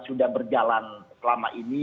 sudah berjalan selama ini